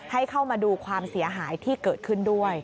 ให้เข้ามาดูความเสียหายที่เกิดขึ้นด้วย